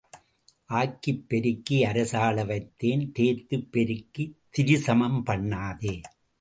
ஆக்கிப் பெருக்கி அரசாள வைத்தேன் தேய்த்துப் பெருக்கித் திரிசமம் பண்ணாதே.